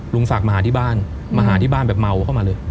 ลุงศักดิ์มาหาที่บ้านมาหาที่บ้านแบบเมาเข้ามาเลย